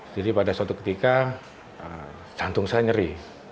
jadi pada suatu ketika jantung saya nyeri